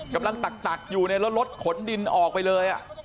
กำลังตักอยู่แล้วรถขนดินออกไปเลย